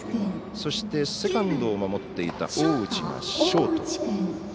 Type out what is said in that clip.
そして、セカンドを守っていた大内がショート。